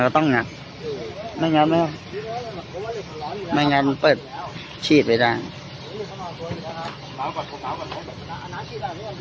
น้ำต้องหยัดไม่งั้นไม่งั้นเปิดชีดไปได้